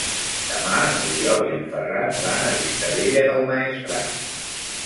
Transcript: Demà n'Oriol i en Ferran van a Vistabella del Maestrat.